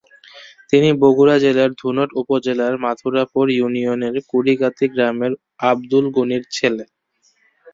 তিনি বগুড়া জেলার ধুনট উপজেলার মথুরাপুর ইউনিয়নের কুড়িগাঁতী গ্রামের আবদুল গণির ছেলে।